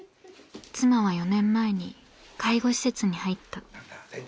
妻は４年前に介護施設に入った。